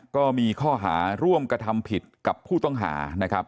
ก็มีข้อหาร่วมกระทำผิดกับผู้ต้องหานะครับ